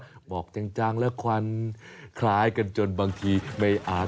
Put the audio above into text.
หมอกจังและควันคล้ายกันจนบางทีไม่อาจ